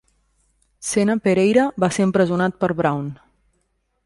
Sena Pereira va ser empresonat per Brown.